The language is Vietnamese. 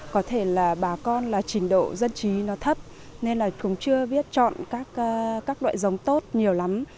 có thể là bà con là trình độ dân trí nó thấp nên là chúng chưa biết chọn các loại giống tốt nhiều lắm